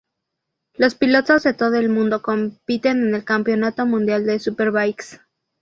Los pilotos de todo el mundo compiten en el Campeonato Mundial de Superbikes.